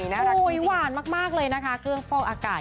อร่อยหวานมากเลยนะคะเครื่องเฝ้าอากาศ